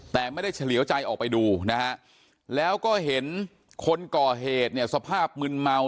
แต่ไม่ได้เฉลี่ยวใจออกไปดูนะฮะแล้วก็เห็นคนก่อเหตุเนี่ยสภาพมึนเมา